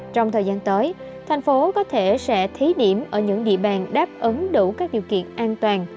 trong thời gian tới thành phố có thể sẽ thí điểm ở những địa bàn đáp ứng đủ các điều kiện an toàn